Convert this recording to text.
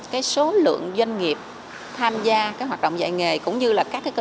cái số lượng doanh nghiệp tham gia cái hoạt động dạy nghề cũng như là các cái cơ sở